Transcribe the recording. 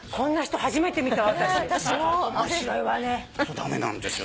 駄目なんですよ